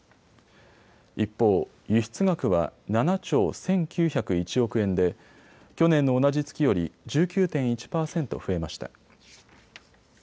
一方、輸出額は７兆１９０１億円で去年の同じ月より１９．１％増えました。